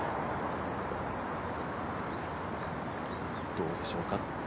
どうでしょうか。